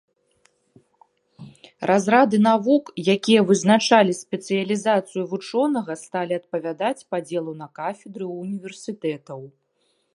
Разрады навук, якія вызначалі спецыялізацыю вучонага, сталі адпавядаць падзелу на кафедры ўніверсітэтаў.